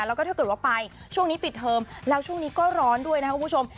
แล้วก็ถ้าเกิดว่าไปช่วงนี้ปิดเทอมแล้วช่วงนี้ก็ร้อนด้วยนะครับคุณผู้ชม